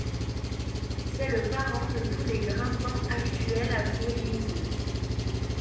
C'est le parent de tous les grimpants actuels à feuilles luisantes.